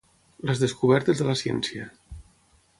Les descobertes de la ciència.